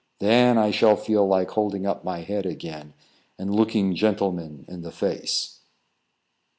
Then I shall feel like holding up my head again, and looking gentlemen in the face."